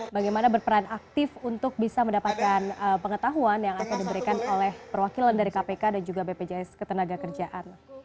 bagaimana berperan aktif untuk bisa mendapatkan pengetahuan yang akan diberikan oleh perwakilan dari kpk dan juga bpjs ketenaga kerjaan